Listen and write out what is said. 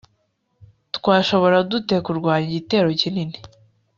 twashobora dute kurwanya igitero kinini